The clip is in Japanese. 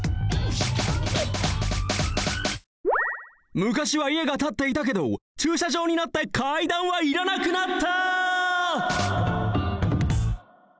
昔はいえがたっていたけどちゅうしゃじょうになって階段はいらなくなった！